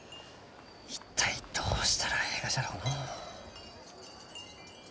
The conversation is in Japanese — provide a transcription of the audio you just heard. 一体どうしたらえいがじゃろうのう？